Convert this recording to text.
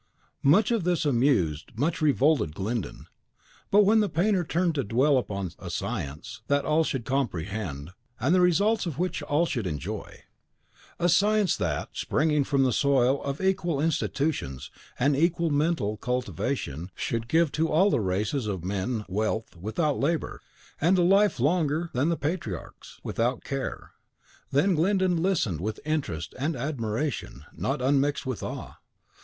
Much of this amused, much revolted Glyndon; but when the painter turned to dwell upon a science that all should comprehend, and the results of which all should enjoy, a science that, springing from the soil of equal institutions and equal mental cultivation, should give to all the races of men wealth without labour, and a life longer than the Patriarchs', without care, then Glyndon listened with interest and admiration, not unmixed with awe.